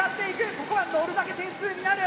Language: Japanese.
ここはのるだけ点数になる。